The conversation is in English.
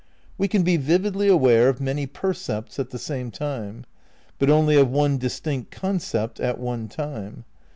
We can be vividly aware of many percepts at the same time; but only of one distinct concept at one time.